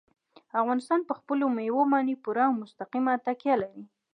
افغانستان په خپلو مېوو باندې پوره او مستقیمه تکیه لري.